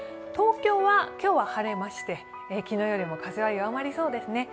東京は今日は晴れまして、昨日よりも風は弱まりそうです。